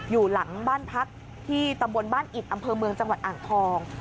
อยู่หลังบ้านพักที่ตำบลบ้านอิดอำเภอเมืองจังหวัดอ่างทอง